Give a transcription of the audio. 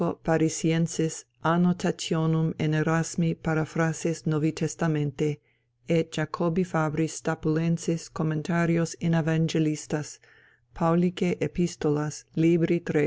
Parisiensis annotationum in Erasmi paraphrases Novi Testamenti, et Jacobi Fabri Stapulensis commentarios in Evangelistas, Paulique Epistolas, Libri III.